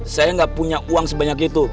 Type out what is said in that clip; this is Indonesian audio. saya nggak punya uang sebanyak itu